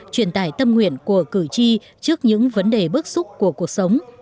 truyền tải tâm nguyện của cử tri trước những vấn đề bước xúc của cuộc sống